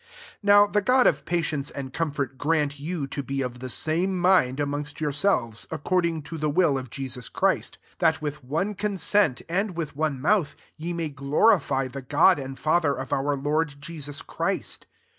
5 Now the God of patience and comfort grant you to be of the same mind amongpst yourselves, according to the will of Jesus Christ : 6 that with one consent, and with one mouth, ye may glorify the God and Father of our Lord Jesus Christ.